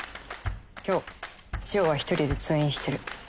今日チヨは一人で通院してる。